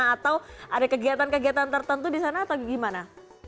atau ada kegiatan kegiatan tertentu di sana atau gimana